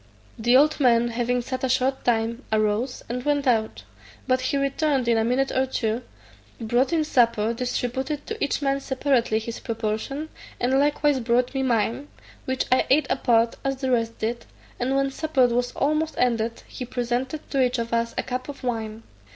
The old man having sat a short time, arose, and went out; but he returned in a minute or two, brought in supper, distributed to each man separately his proportion, and likewise brought me mine, which I ate apart, as the rest did; and when supper was almost ended, he presented to each of us a cup of wine.